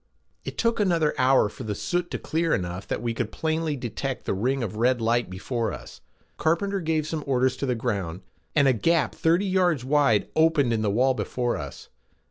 It took another hour for the soot to clear enough that we could plainly detect the ring of red light before us. Carpenter gave some orders to the ground, and a gap thirty yards wide opened in the wall before us.